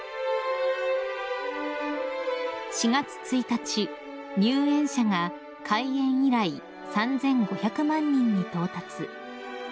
［４月１日入園者が開園以来３，５００万人に到達］